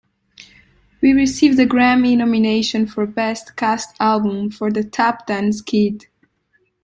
He received a Grammy nomination for best cast album for "The Tap Dance Kid".